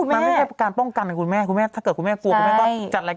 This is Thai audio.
นี่พี่แหละดูกังวลจนหนูรู้สึกกังวลมากกว่าแล้ว